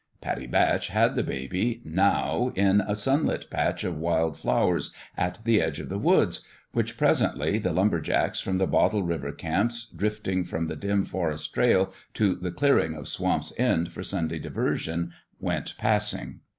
Pattie Batch had the baby, now, in a sunlit patch of wild flowers at the edge of the woods, which, presently, the lumber jacks from the Bottle River camps, drifting from the dim forest trail to the clearing of Swamp's End for Sunday diversion, went passing.